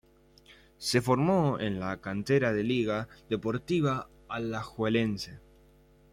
Se formó en la cantera de Liga Deportiva Alajuelense.